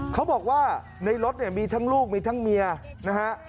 เขาบอกว่าในรถเนี่ยมีทั้งลูกมีทั้งเมียนะฮะ